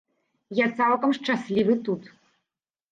Я цалкам шчаслівы тут.